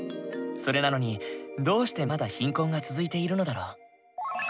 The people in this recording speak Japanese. それなのにどうしてまだ貧困が続いているのだろう？